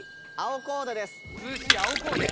「涼しい青コーデ」